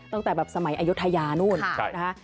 ตั้งแต่แบบสมัยอายุทยานู่นนะคะ